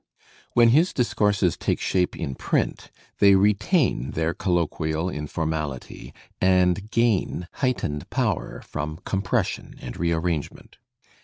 When his discourses take shape in print they retain their colloquial informality and gain heightened power from com pression and rearrangement.